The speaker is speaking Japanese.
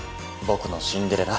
僕のシンデレラ。